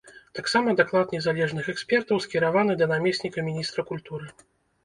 Таксама даклад незалежных экспертаў скіраваны да намесніка міністра культуры.